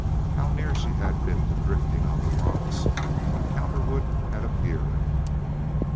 How near she had been to drifting on the rocks when Cowperwood had appeared!